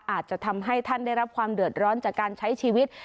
อาจจะทำให้ท่านได้รับความเดือดร้อนจากการใช้ชีวิต